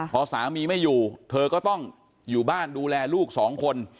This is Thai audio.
พอสามีไม่อยู่เธอก็ต้องอยู่บ้านดูแลลูกสองคน